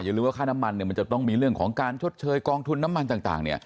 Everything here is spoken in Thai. อย่าลืมว่าค่าน้ำมันเนี่ยมันจะต้องมีเรื่องของการชดเชยกองทุนน้ำมันต่างเนี่ย